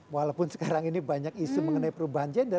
walaupun sekarang ini banyak isu mengenai perubahan gender